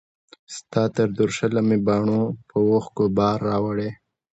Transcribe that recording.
ستا تر درشله مي باڼو په اوښکو بار راوړی